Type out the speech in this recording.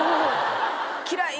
嫌い。